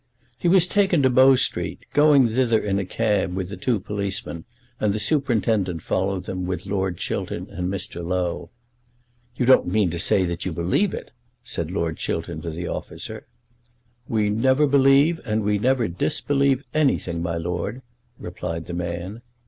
He was taken to Bow Street, going thither in a cab with the two policemen, and the superintendent followed them with Lord Chiltern and Mr. Low. "You don't mean to say that you believe it?" said Lord Chiltern to the officer. "We never believe and we never disbelieve anything, my Lord," replied the man.